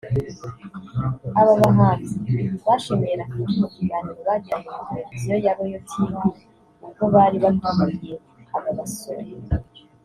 Aba bahanzi bashimiye Rafiki mu kiganiro bagiranye na Televiziyo ya Royal Tv ubwo bari batumiye aba basore